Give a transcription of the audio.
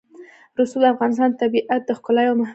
رسوب د افغانستان د طبیعت د ښکلا یوه مهمه برخه ده.